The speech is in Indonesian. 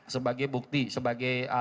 sebagai bukti sebagai